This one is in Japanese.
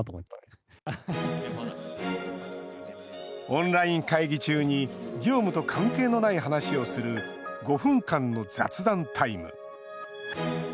オンライン会議中に業務と関係のない話をする５分間の雑談タイム。